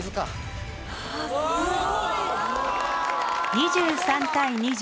２３対２０。